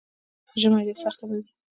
ژمی دی، سخته به وي.